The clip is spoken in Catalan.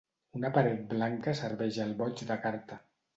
Una paret blanca serveix al boig de carta.